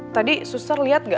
tadi suster liat gak